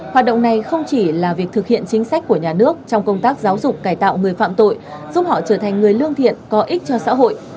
hoạt động này không chỉ là việc thực hiện chính sách của nhà nước trong công tác giáo dục cải tạo người phạm tội giúp họ trở thành người lương thiện có ích cho xã hội